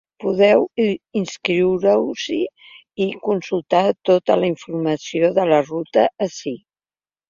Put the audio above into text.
Podeu inscriure-us-hi i consultar tota la informació de la ruta ací.